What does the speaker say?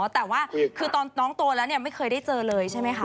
แต่ว่าคือตอนน้องโตแล้วเนี่ยไม่เคยได้เจอเลยใช่ไหมคะ